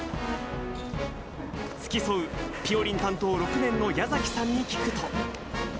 付き添う、ぴよりん担当６年の矢崎さんに聞くと。